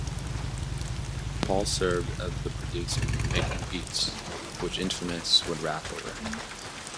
Paul served as the producer, making beats, which Infamous would rap over.